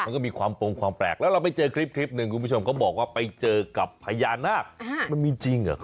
มันก็มีความโปรงความแปลกแล้วเราไปเจอคลิปหนึ่งคุณผู้ชมเขาบอกว่าไปเจอกับพญานาคมันมีจริงเหรอ